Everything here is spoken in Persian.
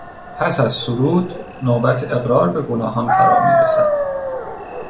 پس از سرود نوبت اقرار به گناهان فرامیرسد.